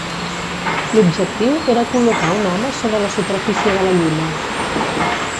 L'objectiu era col·locar un home sobre la superfície de la Lluna.